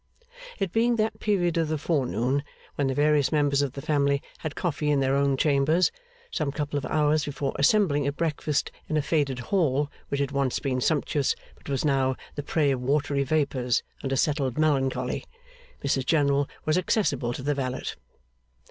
It being that period of the forenoon when the various members of the family had coffee in their own chambers, some couple of hours before assembling at breakfast in a faded hall which had once been sumptuous, but was now the prey of watery vapours and a settled melancholy, Mrs General was accessible to the valet.